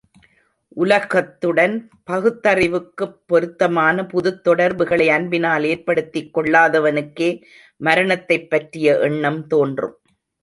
உலகத்துடன் பகுத்தறிவுக்குப் பொருத்தமான புதுத் தொடர்புகளை அன்பினால் ஏற்படுத்திக் கொள்ளாதவனுக்கே மரணத்தைப் பற்றிய எண்ணம் தோன்றும்.